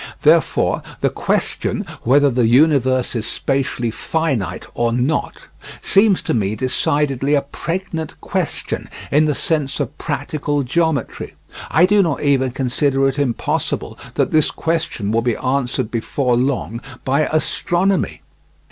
Therefore the question whether the universe is spatially finite or not seems to me decidedly a pregnant question in the sense of practical geometry. I do not even consider it impossible that this question will be answered before long by astronomy.